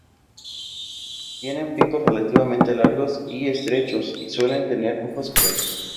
Tienen picos relativamente largos y estrechos y suelen tener ojos claros.